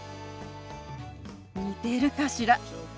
似てるかしら？